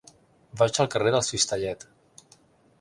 Vaig al carrer del Cistellet.